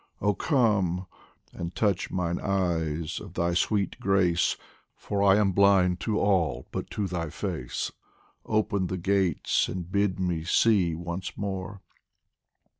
Oh come ! and touch mine eyes, of thy sweet grace, For I am blind to all but to thy face. Open the gates and bid me see once more